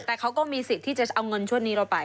แต่เขาก็มีสิทธิ์ที่จะเอาเงินชุดนี้เราไป